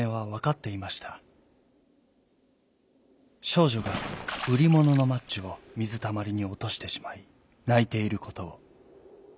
しょうじょがうりもののマッチをみずたまりにおとしてしまいないていることを。